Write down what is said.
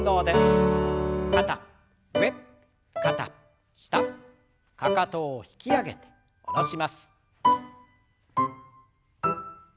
かかとを引き上げて下ろします。